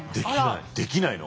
できないの？